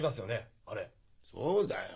そうだよ。